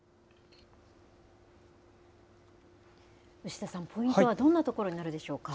牛田さん、ポイントはどんなところにあるでしょうか。